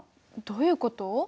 どういうこと？